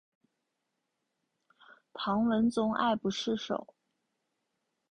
唐文宗爱不释手。